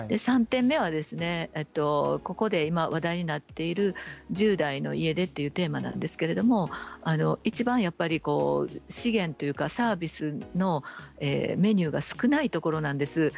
３点目は今、話題になっている１０代の家出というテーマなんですがいちばん、やっぱり支援というかサービスのメニューが少ないところなんです。